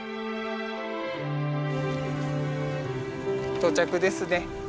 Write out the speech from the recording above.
到着ですね。